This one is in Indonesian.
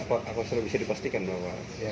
apakah selalu bisa dipastikan bahwa